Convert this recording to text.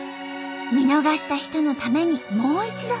見逃した人のためにもう一度。